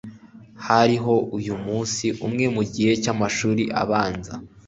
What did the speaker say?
hariho uyu munsi umwe mugihe cy'amashuri abanza